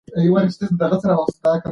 هلک په ستوني کې یو ډول د درد غږ وکړ.